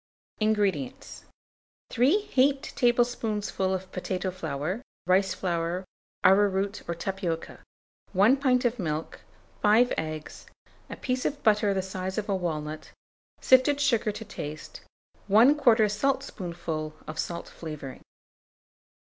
INGREDIENTS. 3 heaped tablespoonfuls of potato flour, rice flour, arrowroot, or tapioca, 1 pint of milk, 5 eggs, a piece of butter the size of a walnut, sifted sugar to taste, 1/4 saltspoonful of salt flavouring.